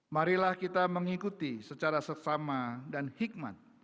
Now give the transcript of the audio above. marilah kita mengikuti secara sesama dan hikmat